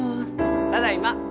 ただいま！